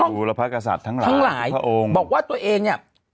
ทุรพกษัตริย์ทั้งหลายบอกว่าตัวเองเนี่ย